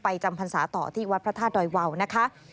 จำพรรษาต่อที่วัดพระธาตุดอยวาวนะคะ